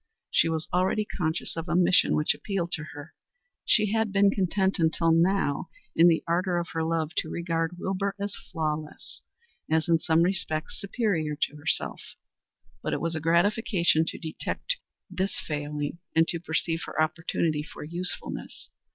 She was already conscious of a mission which appealed to her. She had been content until now in the ardor of her love to regard Wilbur as flawless as in some respects superior to herself; but it was a gratification to her to detect this failing, and to perceive her opportunity for usefulness.